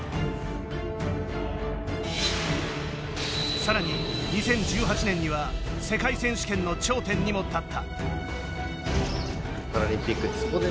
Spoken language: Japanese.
さらに、２０１８年には世界選手権の頂点にも立った。